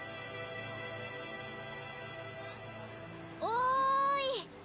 おい！